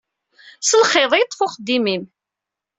S lxiḍ i yeṭṭef uxeddim-im.